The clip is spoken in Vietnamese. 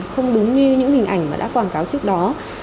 không đúng như những hình ảnh mà đã quảng cáo trước đó